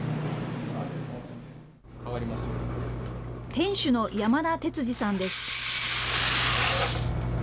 店主の山田哲史さんです。